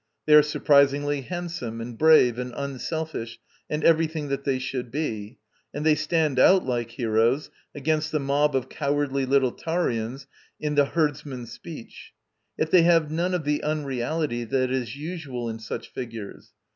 They are surprisingly handsome and brave and unselfish and everything that they should be; and they stand out like heroes against the mob of cowardly little Taurians in the Herdsman's speech. Yet they have none of the unreality that is usual in such figures.